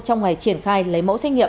trong ngày triển khai lấy mẫu xét nghiệm